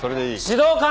指導官！